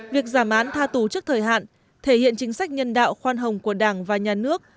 việc giảm án tha tù trước thời hạn thể hiện chính sách nhân đạo khoan hồng của đảng và nhà nước